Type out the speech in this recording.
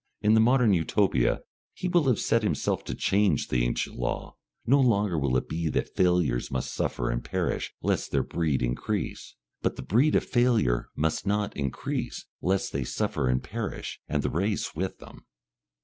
In the Modern Utopia he will have set himself to change the ancient law. No longer will it be that failures must suffer and perish lest their breed increase, but the breed of failure must not increase, lest they suffer and perish, and the race with them.